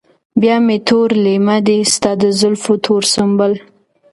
بيا مې تور لېمه دي ستا د زلفو تور سنبل